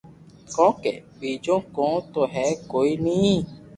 ڪونڪھ ٻآجو ڪون تو ھي ھي ڪوئي ني